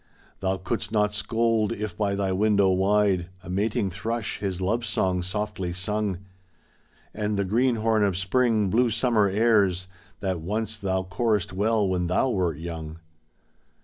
Thou couldst not scold if by thy window wide A mating thrush his love song softly sung. And the green horn of Spring blew Summer airs That once thou chorused well when thou wert young.